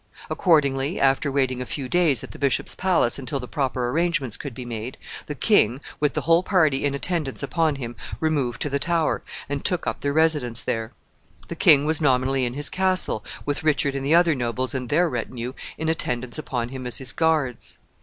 Accordingly, after waiting a few days at the bishop's palace until the proper arrangements could be made, the king, with the whole party in attendance upon him, removed to the Tower, and took up their residence there. The king was nominally in his castle, with Richard and the other nobles and their retinue in attendance upon him as his guards.